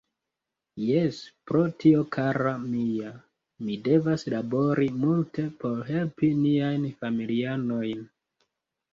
Jes, pro tio kara mia, ni devas labori multe por helpi niajn familianojn.